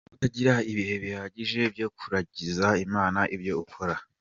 Kutagira ibihe bihagije byo kuragiza Imana ibyo bakora:.